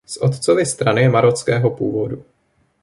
Z otcovy strany je marockého původu.